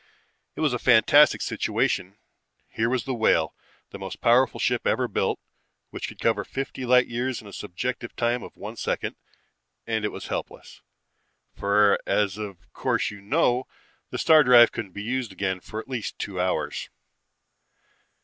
"It was a fantastic situation. Here was the Whale, the most powerful ship ever built, which could cover fifty light years in a subjective time of one second, and it was helpless. For, as of course you know, the star drive couldn't be used again for at least two hours.